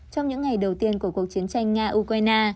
trong những ngày đầu tiên của cuộc chiến tranh nga ukraine